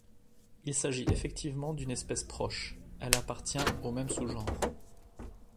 Il s'agit effectivement d'une espèce proche - elle appartient au même sous-genre -.